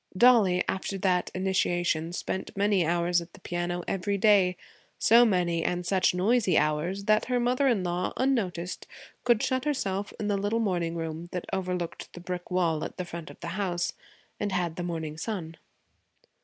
Dollie, after that initiation, spent many hours at the piano every day so many and such noisy hours, that her mother in law, unnoticed, could shut herself in the little morning room that overlooked the brick wall at the front of the house and had the morning sun.